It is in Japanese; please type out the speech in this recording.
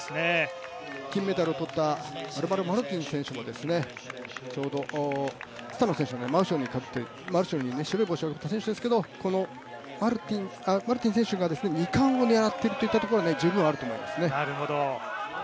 金メダルを取ったアルバロ・マルティン選手もちょうどスタノ選手にマルティン選手が２冠を狙っているというところは十分あると思いますね。